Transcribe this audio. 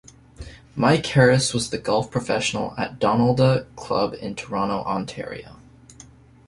Mike Harris was the golf professional at Donalda Club in Toronto, Ontario.